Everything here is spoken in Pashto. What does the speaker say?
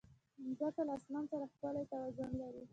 مځکه له اسمان سره ښکلی توازن لري.